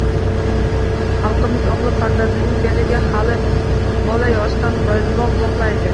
Xalqimiz o‘g‘il farzandining beliga hali bola yoshidan belbog‘ bog‘laydi